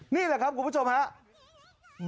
นี่แหละครับคุณผู้ชมครับ